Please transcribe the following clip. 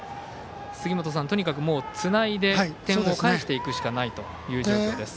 とにかく、つないで点を返していくしかないという状況です。